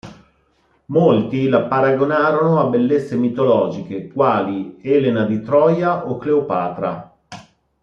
Molti la paragonarono a bellezze mitologiche, quali Elena di Troia o Cleopatra.